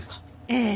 ええ。